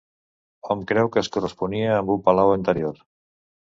Hom creu que es corresponia amb un palau anterior.